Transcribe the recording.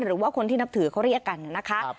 หรือว่าคนที่นับถือเขาเรียกกันนะคะ